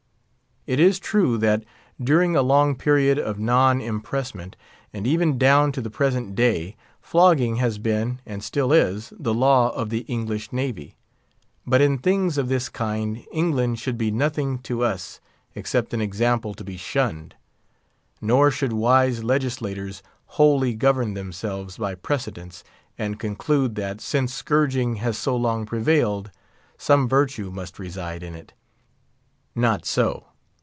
It is true that, during a long period of non impressment, and even down to the present day, flogging has been, and still is, the law of the English navy. But in things of this kind England should be nothing to us, except an example to be shunned. Nor should wise legislators wholly govern themselves by precedents, and conclude that, since scourging has so long prevailed, some virtue must reside in it. Not so.